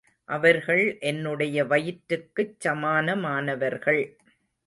அவர்கள் என்னுடைய வயிற்றுக்குச் சமானமானவர்கள்.